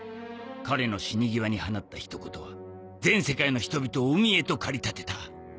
彼の死に際に放った一言は全世界の人々を海へと駆り立てた。